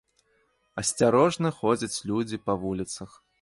Асцярожна ходзяць людзі па вуліцах.